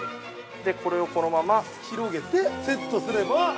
これをこのまま◆広げてセットすれば◆